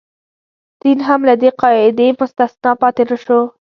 دین هم له دې قاعدې مستثنا پاتې نه شو.